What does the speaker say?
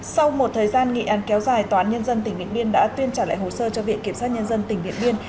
sau một thời gian nghị án kéo dài tòa án nhân dân tỉnh điện biên đã tuyên trả lại hồ sơ cho viện kiểm soát nhân dân tỉnh điện biên